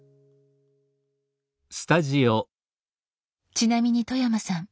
ちなみに外山さん